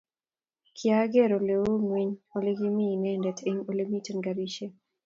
kiyageer oleiu ngweny olegimi inendet eng olemiten karishek